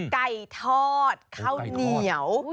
ไก่ทอดข้าวเหนียว